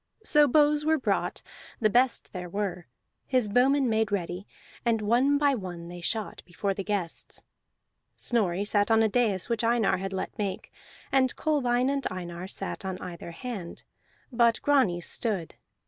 So bows were brought, the best there were; his bowmen made ready, and one by one they shot before the guests. Snorri sat on a dais which Einar had let make, and Kolbein and Einar sat on either hand; but Grani stood.